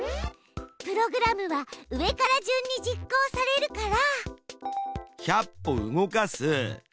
プログラムは上から順に実行されるから。